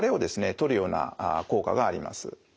とるような効果があります。